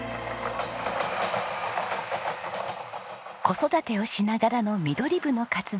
子育てをしながらのミドリブの活動。